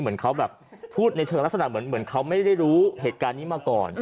เหมือนเขาแบบพูดในเชิงลักษณะเหมือนเขาไม่ได้รู้เหตุการณ์นี้มาก่อน